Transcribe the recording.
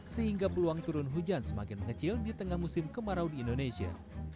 sehingga peluang turun hujan semakin mengecil di tengah musim kemarau di indonesia